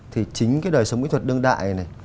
thì chính cái đời sống kỹ thuật đương đại này